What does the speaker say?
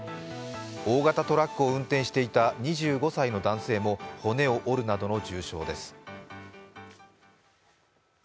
大型トラックを運転していた２５歳の男性も骨を折るなどの重傷です。